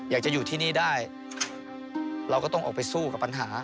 อยากจะอยู่ที่นี่ได้เราก็ต้องออกไปสู้กับปัญหา